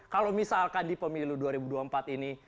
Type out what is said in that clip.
kalau misalkan di pemilu dua ribu dua puluh empat ini